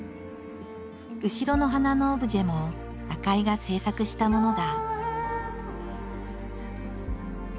後ろの花のオブジェも赤井が制作したものだ。